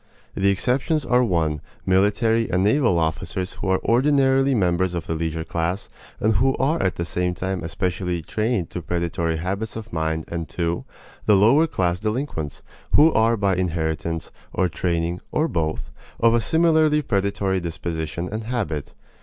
The exceptions are (1) military and naval officers who are ordinarily members of the leisure class, and who are at the same time specially trained to predatory habits of mind and (2) the lower class delinquents who are by inheritance, or training, or both, of a similarly predatory disposition and habit.